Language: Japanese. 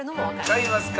買いますか？